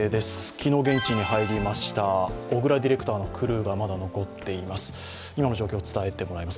昨日現地に入りました小倉ディレクターのクルーがまだ残っています。